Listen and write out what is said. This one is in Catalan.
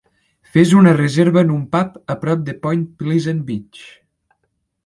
Fes una reserva en un pub a prop de Point Pleasant Beach